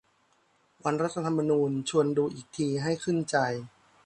วันรัฐธรรมนูญ ชวนดูอีกทีให้ขึ้นใจ